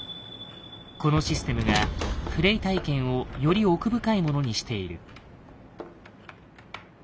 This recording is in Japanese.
このシステムがプレイ体験をより奥深いものにしている。